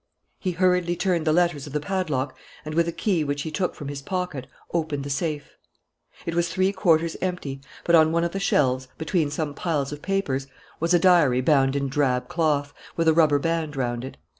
He hurriedly turned the letters of the padlock and, with a key which he took from his pocket, opened the safe. It was three fourths empty; but on one of the shelves, between some piles of papers, was a diary bound in drab cloth, with a rubber band round it.